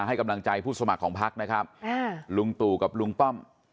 ให้กำลังใจผู้สมัครของพักนะครับลุงตู่กับลุงป้อม